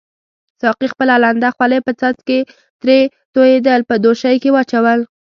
ساقي خپله لنده خولۍ چې څاڅکي ترې توییدل په دوشۍ کې واچول.